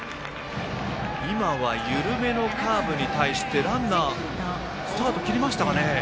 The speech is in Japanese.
今は緩めのカーブに対してランナースタート切りましたかね。